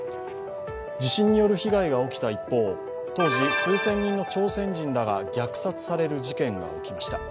地震による被害が起きた一方、当時、数千人の朝鮮人らが虐殺される事件が起きました。